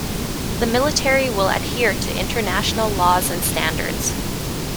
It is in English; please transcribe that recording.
The Military will adhere to international laws and standards.